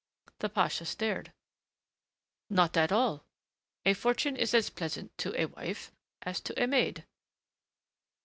The pasha stared. "Not at all. A fortune is as pleasant to a wife as to a maid."